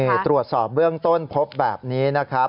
นี่ตรวจสอบเบื้องต้นพบแบบนี้นะครับ